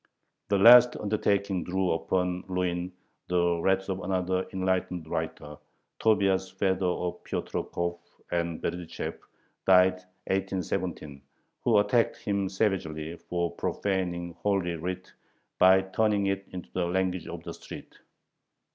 The last undertaking drew upon Lewin the wrath of another "enlightened" writer, Tobias Feder of Piotrkov and Berdychev (died 1817), who attacked him savagely for "profaning" Holy Writ by turning it into the "language of the street."